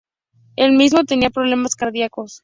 Él mismo tenia problemas cardiacos.